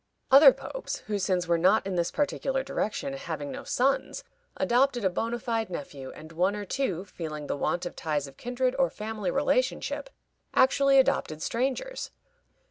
Other popes, whose sins were not in this particular direction, having no sons, adopted a bona fide nephew, and one or two, feeling the want of ties of kindred or family relationship, actually adopted strangers.